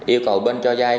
một yêu cầu bên cho vai